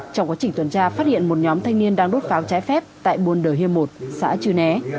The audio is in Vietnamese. trong quá trình tuần tra phát hiện một nhóm thanh niên đang đốt pháo trái phép tại buôn đời hiêm một xã chư né